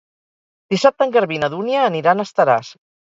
Dissabte en Garbí i na Dúnia aniran a Estaràs.